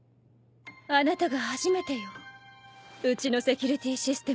あなたが初めてようちのセキュリティーシステムを突破したのは。